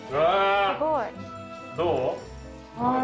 どう？